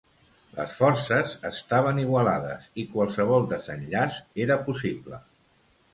Les forces estaven igualades, i qualsevol desenllaç era possible.